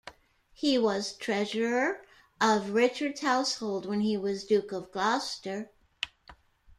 He was treasurer of Richard's household when he was Duke of Gloucester.